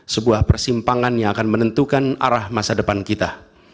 sebuah persimpangan yang akan menentukan arah masa depan kita